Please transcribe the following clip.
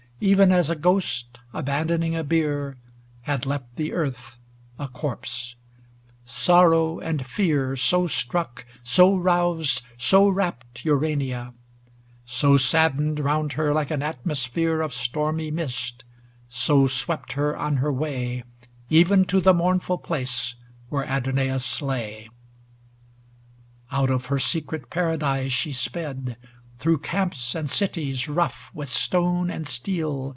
Even as a ghost abandoning a bier, Had left the Earth a corpse; ŌĆö sorrow and fear So struck, so roused, so rapt Urania; So saddened round her like an atmo sphere Of stormy mist; so swept her on her way Even to the mournful place where Adonais lay. XXIV Out of her secret Paradise she sped. Through camps and cities rough with stone, and steel.